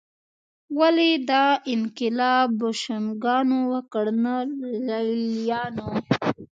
ولې دا انقلاب بوشونګانو وکړ نه لېلیانو